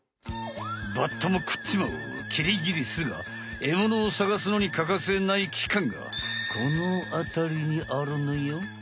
バッタもくっちまうキリギリスがえものをさがすのにかかせないきかんがこのあたりにあるのよ。